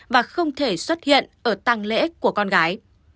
và không thể xuất hiện ở tăng lễ của con gái